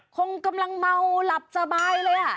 คงกำลังเมาหลับสบายเลย